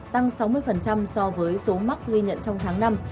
tăng sáu mươi so với số mắc ghi nhận trong tháng năm